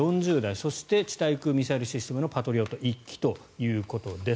そして地対空ミサイルシステムのパトリオット１基ということです。